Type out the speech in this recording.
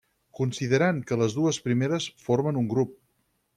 Considerant que les dues primera formen un grup.